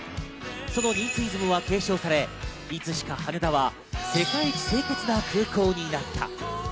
その新津イズムは継承され、いつしか羽田は世界一清潔な空港になった。